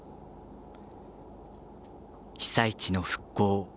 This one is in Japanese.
被災地の復興